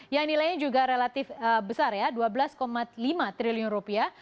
yang nilainya juga relatif besar ya dua belas lima triliun rupiah